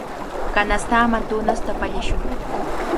Kanastaman tunasta pallashun.